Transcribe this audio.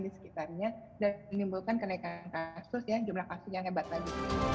di sekitarnya dan menimbulkan kenaikan kasus ya jumlah kasus yang hebat lagi